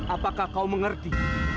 apakah kau mengerti